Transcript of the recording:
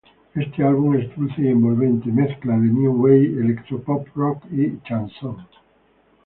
Este álbum es dulce y envolvente, mezcla de new-wave, electro-por rock y chanson.